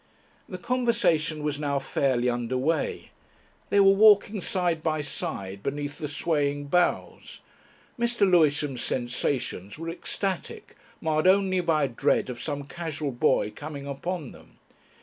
The conversation was now fairly under way. They were walking side by side beneath the swaying boughs. Mr. Lewisham's sensations were ecstatic, marred only by a dread of some casual boy coming upon them.